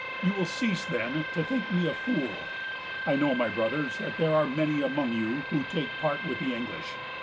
You will cease then to think me a fool. I know, my brothers, that there are many among you who take part with the English.